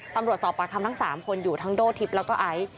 ตำรวจสอบปากคำทั้ง๓คนอยู่ทั้งโดทิพย์แล้วก็ไอซ์